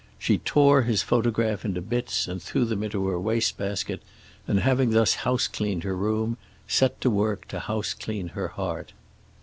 She tore his photograph into bits and threw them into her waste basket, and having thus housecleaned her room set to work to houseclean her heart.